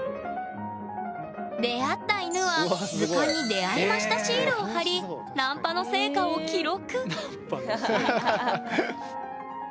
出会った犬は図鑑に「出会いましたシール」を貼りナンパの成果を記録